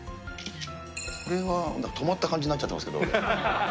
これは、泊まった感じになっちゃってますけど。